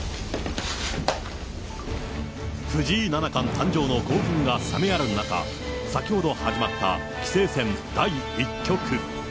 藤井七冠誕生の興奮が冷めやらぬ中、先ほど始まった棋聖戦第１局。